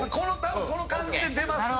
この感じで出ますので